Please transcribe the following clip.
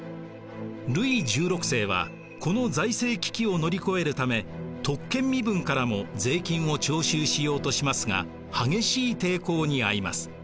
ルイ１６世はこの財政危機を乗り越えるため特権身分からも税金を徴収しようとしますが激しい抵抗にあいます。